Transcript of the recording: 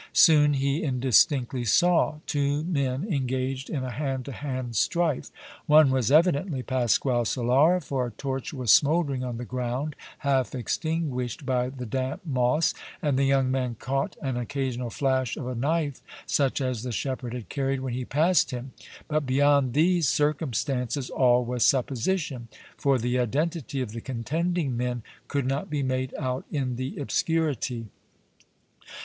Soon he indistinctly saw two men engaged in a hand to hand strife. One was evidently Pasquale Solara, for a torch was smouldering on the ground half extinguished by the damp moss, and the young man caught an occasional flash of a knife such as the shepherd had carried when he passed him, but beyond these circumstances all was supposition, for the identity of the contending men could not be made out in the obscurity.